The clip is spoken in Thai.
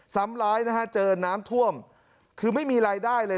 ซ้ำร้ายนะฮะเจอน้ำท่วมคือไม่มีรายได้เลย